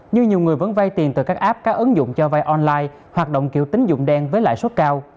như nhiều người vẫn vay tiền từ các app các ứng dụng cho vay online hoạt động kiểu tính dụng đen với lại số cao